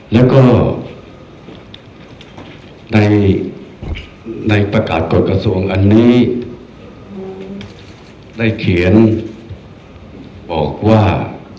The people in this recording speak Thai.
แล้วก็ในประกาศกฎกระทรวงอันนี้ได้เขียนบอกว่า